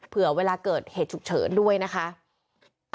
เผื่อเวลาเกิดเหตุฉุกเฉินด้วยนะคะ